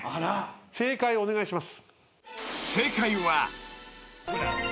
正解をお願いします。